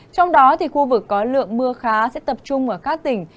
trong đó khu vực có lượng mưa khá sẽ tập trung ở các tỉnh